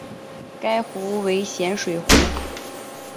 该湖为咸水湖。